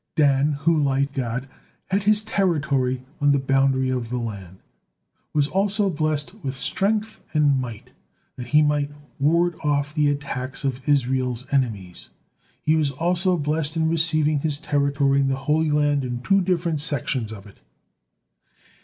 Dan, who like Gad had his territory on the boundary of the land, was also blessed with strength and might, that he might ward off the attacks of Israel's enemies. He was also blessed in receiving his territory in the Holy Land in two different sections of it.